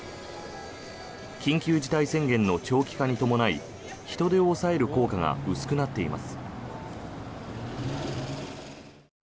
緊急事態宣言の長期化に伴い人出を抑える効果が薄くなっています。